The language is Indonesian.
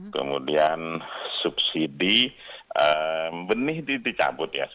kemudian subsidi benih dicabut ya